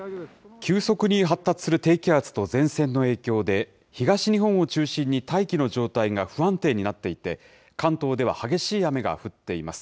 急速に発達する低気圧と前線の影響で、東日本を中心に大気の状態が不安定になっていて、関東では激しい雨が降っています。